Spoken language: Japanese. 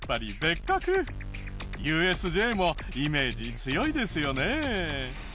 ＵＳＪもイメージ強いですよね。